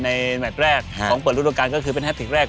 ในแมวแรกของเปิดรุฑการก็คือเป็นฮาสสสสตริกด้วย๒๕๑๐๐๑